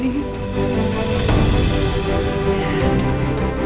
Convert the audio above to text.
dia tau soal anaknya ini